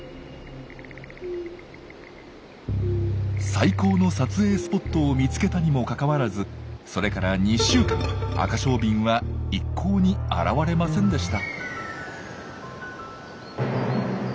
最高の撮影スポットを見つけたにもかかわらずそれから２週間アカショウビンは一向に現れませんでした。